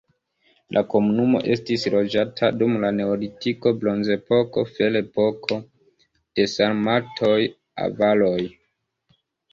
La komunumo estis loĝata dum la neolitiko, bronzepoko, ferepoko, de sarmatoj, avaroj.